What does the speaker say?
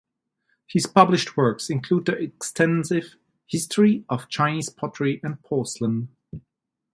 His published works include the extensive "History of Chinese Pottery and Porcelain".